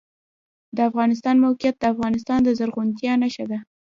د افغانستان موقعیت د افغانستان د زرغونتیا نښه ده.